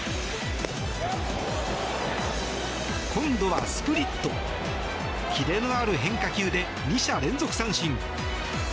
今度はスプリットキレのある変化球で２者連続三振。